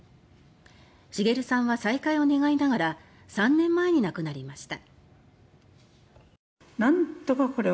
滋さんは再会を願いながら３年前に亡くなりました。